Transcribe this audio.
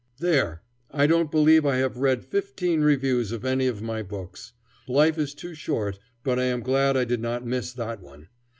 There! I don't believe I have read fifteen reviews of any of my books. Life is too short; but I am glad I did not miss that one.